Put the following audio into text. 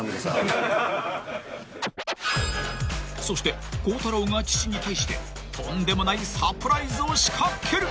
［そして孝太郎が父に対してとんでもないサプライズを仕掛ける］